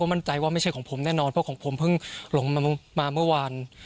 มั่นใจว่าไม่ใช่ของผมแน่นอนเพราะของผมเพิ่งหลงมาเมื่อวาน